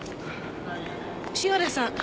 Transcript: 潮田さん